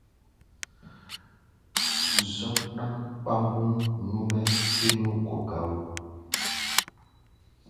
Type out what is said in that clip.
Zɔ́k ɗáŋ ɓambuŋ nú-mɛ́ héé nú gɔ̧ gá wó.